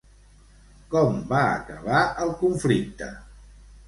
Com va acabar el conflicte?